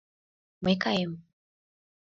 — Мый каем.